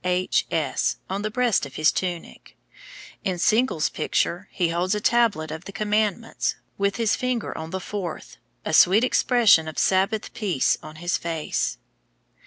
H. S. on the breast of his tunic. In Sinkel's picture he holds a tablet of the Commandments, with his finger on the fourth, a sweet expression of Sabbath peace on his face.